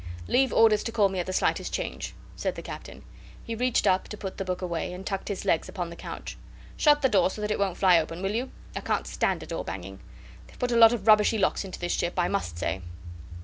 "Leave orders to call me at the slightest change," said the Captain. He reached up to put the book away, and tucked his legs upon the couch. "Shut the door so that it don't fly open, will you? I can't stand a door banging. They've put a lot of rubbishy locks into this ship, I must say."